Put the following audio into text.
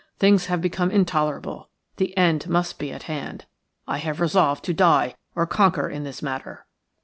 Things have become intolerable; the end must be at hand. I have resolved to die or conquer in this matter."